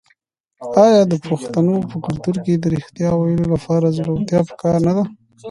آیا د پښتنو په کلتور کې د ریښتیا ویلو لپاره زړورتیا پکار نه ده؟